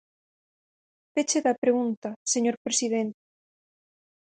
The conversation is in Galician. Peche da pregunta, señor presidente.